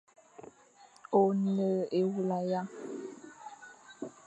One ewula ya?